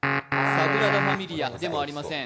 サグラダ・ファミリアでもありません。